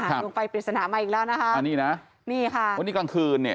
ดวงไฟปริศนามาอีกแล้วนะคะอ่านี่นะนี่ค่ะวันนี้กลางคืนเนี่ย